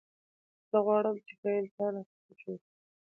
زه غواړم، چي ښه انسان راڅخه جوړ سي.